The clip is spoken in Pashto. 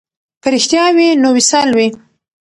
که رښتیا وي نو وصال وي.